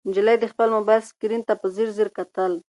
نجلۍ د خپل موبایل سکرین ته په ځیر ځیر کتل.